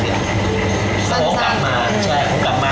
ตรงนี้ผมกลับมานะตรงนี้ผมกลับมา